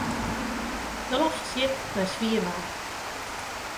De loft stiet nei swier waar.